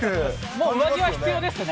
もう上着は必要ですね。